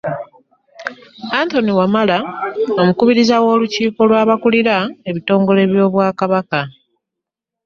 Anthony Wamala omukubiriza w’olukiiko lw’abakulira ebitongole by’Obwakabaka.